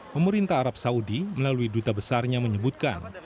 pemerintah arab saudi melalui duta besarnya menyebutkan